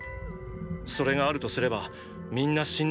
それがあるとすればみんな死んだ後だ。